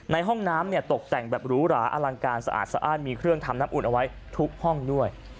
ในห้องน้ำเนี่ยตกแต่งแบบหรูหราอลังการสะอาดสะอ้านมีเครื่องทำน้ำอุ่นเอาไว้ทุกห้องด้วย